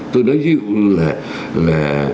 tôi nói ví dụ là